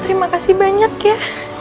terima kasih banyak ya